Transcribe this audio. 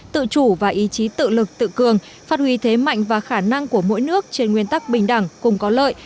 tự chủ và ý chí tự lực tự cường phát huy thế mạnh và khả năng của mỗi nước trên nguyên tắc bình đẳng cùng có lợi